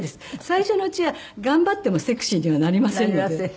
最初のうちは頑張ってもセクシーにはなりませんので。